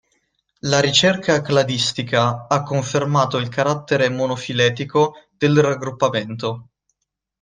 La ricerca cladistica ha confermato il carattere monofiletico del raggruppamento.